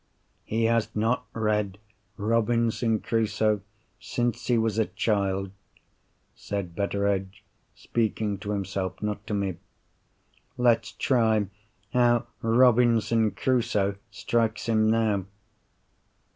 "He has not read Robinson Crusoe since he was a child," said Betteredge, speaking to himself—not to me. "Let's try how Robinson Crusoe strikes him now!"